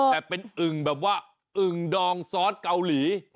แต่เป็นอึ่งแบบว่าอึ่งดองซอสเกาหลี